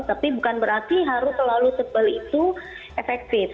tapi bukan berarti harus terlalu tebal itu efektif